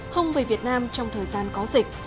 không về việt nam trong thời gian có dịch